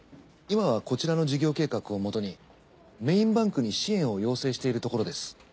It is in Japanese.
今はこちらの事業計画をもとにメインバンクに支援を要請しているところです。